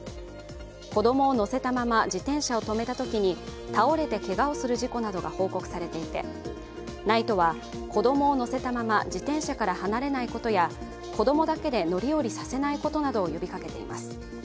子供を乗せたまま自転車を止めたときに倒れてけがをする事故などが報告されていて、ＮＩＴＥは子供を乗せたまま自転車から離れないことや子供だけで乗り降りさせないことを呼びかけています。